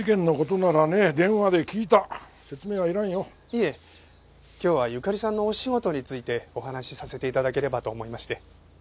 いえ今日はゆかりさんのお仕事についてお話しさせて頂ければと思いまして。